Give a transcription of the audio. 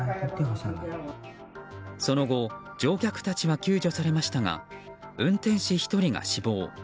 その後、乗客たちは救助されましたが運転士１人が死亡。